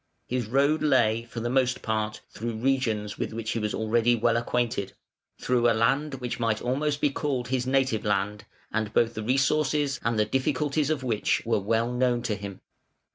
His road lay, for the most part, through regions with which he was already well acquainted, through a land which might almost be called his native land, and both the resources and the difficulties of which were well known to him.